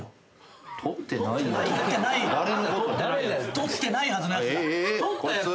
とってないはずのやつが。